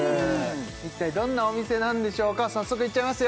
一体どんなお店なんでしょうか早速いっちゃいますよ